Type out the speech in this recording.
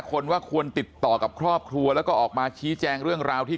คนว่าควรติดต่อกับครอบครัวแล้วก็ออกมาชี้แจงเรื่องราวที่